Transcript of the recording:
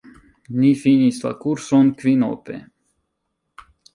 Ni finis la kurson kvinope.